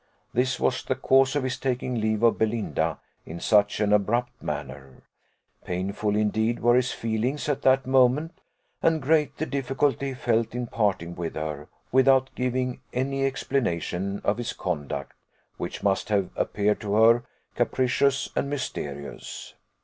This was the cause of his taking leave of Belinda in such an abrupt manner: painful indeed were his feelings at that moment, and great the difficulty he felt in parting with her, without giving any explanation of his conduct, which must have appeared to her capricious and mysterious.